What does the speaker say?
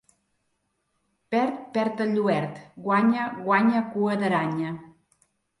Perd, perd el lluert; guanya, guanya, cua d'aranya.